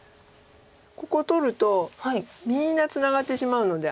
ここ取るとみんなツナがってしまうので。